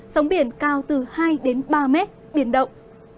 sóng biển cao từ hai đến ba mét biển động